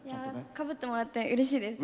かぶってもらってうれしいです。